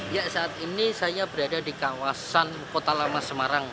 ya saat ini saya berada di kawasan kota lama semarang